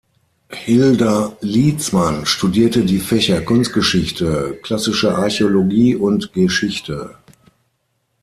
Hilda Lietzmann studierte die Fächer Kunstgeschichte, Klassische Archäologie und Geschichte.